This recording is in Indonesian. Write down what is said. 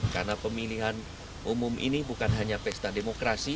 karena pemilihan umum ini bukan hanya pesta demokrasi